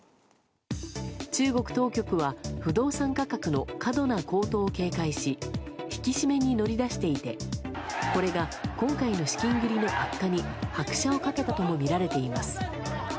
中国当局は不動産価格の過度な高騰を警戒し引き締めに乗り出していてこれが今回の資金繰りの悪化に拍車を掛けたともみられています。